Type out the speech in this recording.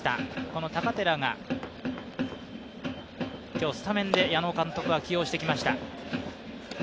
この高寺が今日スタメンで矢野監督は起用してきました。